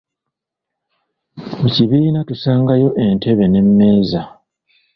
Mu kibiina tusangayo entebe n'emmeeza.